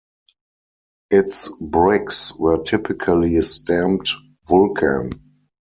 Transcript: Its bricks were typically stamped "Vulcan".